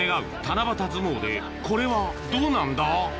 七夕相撲でこれはどうなんだ？